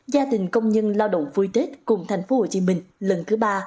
gia đình công nhân lao động vui tết cùng tp hcm lần thứ ba